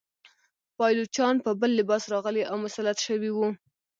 پایلوچان په بل لباس راغلي او مسلط شوي وه.